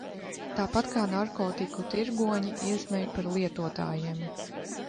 Tāpat kā narkotiku tirgoņi iesmej par lietotājiem.